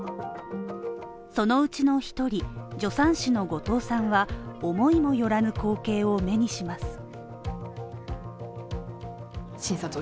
そのうちの１人、助産師の後藤さんは思いもよらぬ光景を目にします。